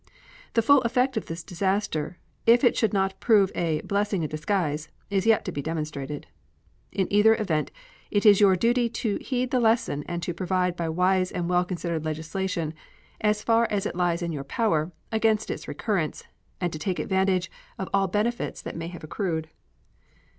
The full effect of this disaster, if it should not prove a "blessing in disguise," is yet to be demonstrated. In either event it is your duty to heed the lesson and to provide by wise and well considered legislation, as far as it lies in your power, against its recurrence, and to take advantage of all benefits that may have accrued.